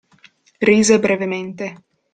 Rise brevemente.